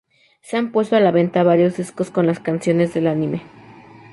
Se han puesto a la venta varios discos con las canciones del anime.